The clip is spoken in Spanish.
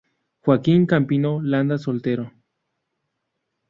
Joaquín Campino Landa, soltero.